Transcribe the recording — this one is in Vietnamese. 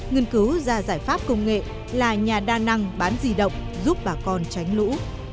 nghiên cứu ra giải pháp công nghệ là nhà đa năng bán di động giúp bà con tránh lũ